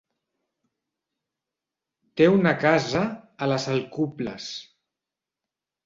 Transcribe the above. Té una casa a les Alcubles.